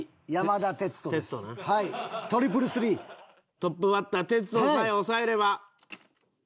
トップバッター哲人さえ抑えれば。